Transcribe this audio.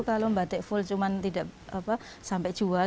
kalau batik full cuma tidak sampai jual